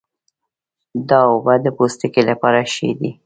دا اوبه د پوستکي لپاره ښې دي.